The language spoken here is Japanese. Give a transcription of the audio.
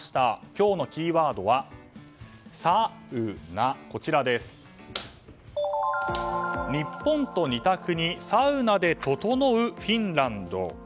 今日のキーワードはサウナ日本と似た国サウナでととのうフィンランド。